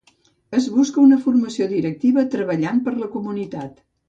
Es busca una formació directiva treballant per la comunitat.